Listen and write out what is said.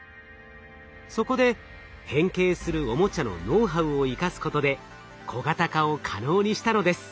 そこで変形するオモチャのノウハウを生かすことで小型化を可能にしたのです。